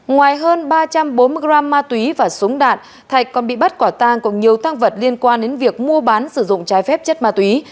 ngoài hơn ba trăm bốn mươi gram ma túy và súng đạn thạch còn bị bắt quả tàng của nhiều thang vật liên quan đến việc mua bán sử dụng trái phép chất ma túy